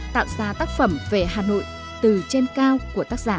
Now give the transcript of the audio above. tạo ra tác phẩm về hà nội từ trên cao của tác giả